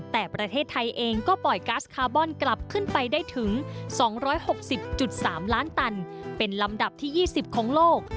แต่ประเทศไทยเองก็ปล่อยก๊าซคาร์บอนกลับขึ้นไปได้ถึง๒๖๐๓ล้านตันเป็นลำดับที่๒๐ของโลก